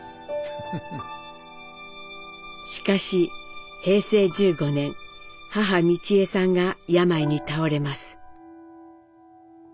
しかし平成１５年母美智榮さんが病に倒れます。